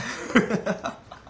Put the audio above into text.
ハハハハハ！